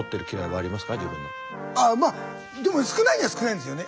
ああまっでも少ないには少ないんですよね。